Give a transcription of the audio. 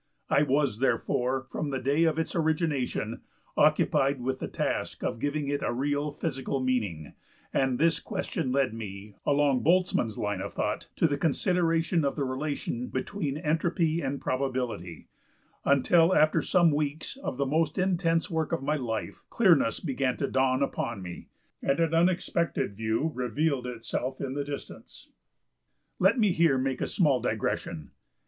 I was, therefore, from the day of its origination, occupied with the task of giving it a real physical meaning, and this question led me, along Boltzmann's line of thought, to the consideration of the relation between entropy and probability; until after some weeks of the most intense work of my life clearness began to dawn upon me, and an unexpected view revealed itself in the distance. Let me here make a small digression.